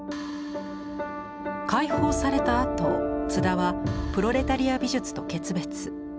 解放されたあと津田はプロレタリア美術と決別。